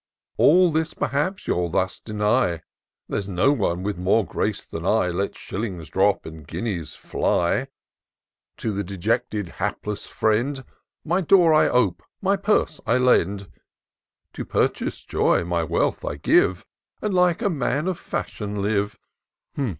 All this, perhaps, youll thus deny: —* There's no one with more grace than I, Lets shillings drop and guineas fly ! To the dejected hapless friend My door I ope, my purse I lend ; To purchase joy my wealth I give, And like a man of fashion live.'